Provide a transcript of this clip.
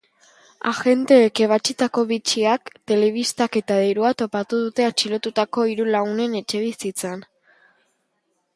Agenteek ebatsitako bitxiak, telebistak eta dirua topatu dute atxilotutako hiru lagunen etxebizitzan.